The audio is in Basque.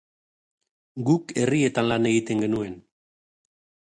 Guk herrietan lan egiten genuen.